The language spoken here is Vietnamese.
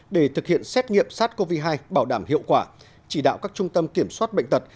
để thực hiện xét nghiệm sars cov hai bảo đảm hiệu quả chỉ đạo các trung tâm kiểm soát bệnh tật